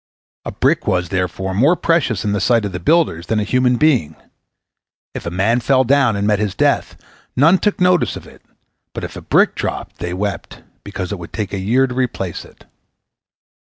A brick was, therefore, more precious in the sight of the builders than a human being. If a man fell down, and met his death, none took notice of it, but if a brick dropped, they wept, because it would take a year to replace it.